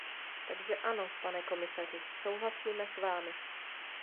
Takže ano, pane komisaři, souhlasíme s vámi.